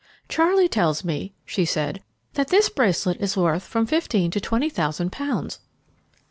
"Charlie tells me," she said, "that this bracelet is worth from fifteen to twenty thousand pounds."